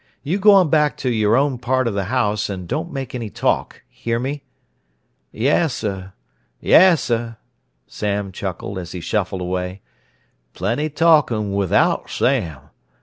"You go on back to your own part of the house, and don't make any talk. Hear me?" "Yessuh, yessuh," Sam chuckled, as he shuffled away. "Plenty talkin' wivout Sam!